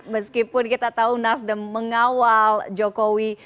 meskipun kita tahu nasdem mengawal jokowi